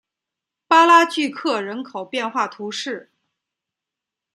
巴拉聚克人口变化图示